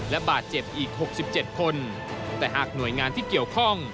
และบาดเจ็บอีก๖๗คนแต่หากหน่วยงานที่เกี่ยวข้อง